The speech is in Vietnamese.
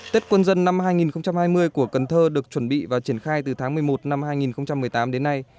tết quân dân năm hai nghìn hai mươi của cần thơ được chuẩn bị và triển khai từ tháng một mươi một năm hai nghìn một mươi tám đến nay